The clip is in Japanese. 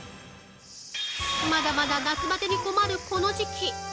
まだまだ夏バテに困るこの時期。